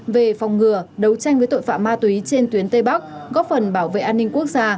về phòng ngừa đấu tranh với tội phạm ma túy trên tuyến tây bắc góp phần bảo vệ an ninh quốc gia